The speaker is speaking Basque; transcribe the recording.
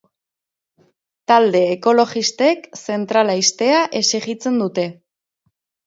Talde ekologistek zentrala ixtea exijitzen dute.